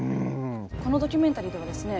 このドキュメンタリーではですね